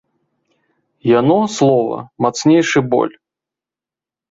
Яно, слова, мацнейшы боль!